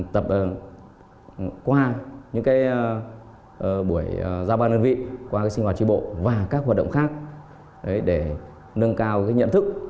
tập qua những buổi gia ba mương vị qua các sinh hoạt chỉ bộ các hoạt động khác để nâng cao nhận thức